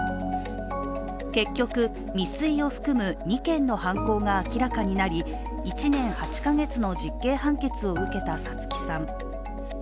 結局、未遂を含む２件の犯行が明らかになり１年８カ月の実刑判決を受けた皐月さん。